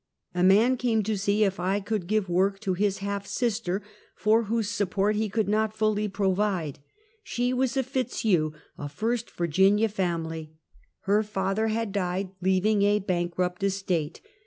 A man came to see if I could give work to his half sister, for whose support he could not fully provide. She was a Fitzhugh, — a first Yirginia family. Her father had died, leaving a bankrupt estate.